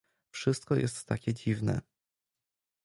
"Wszystko jest takie dziwne."